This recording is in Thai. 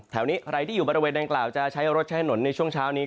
นี้ใครที่อยู่บริเวณดังกล่าวจะใช้รถใช้ถนนในช่วงเช้านี้